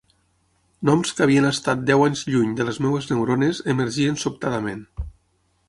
Noms que havien estat deu anys lluny de les meves neurones emergien sobtadament.